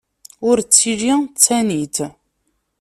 Ur ttili d Tanit.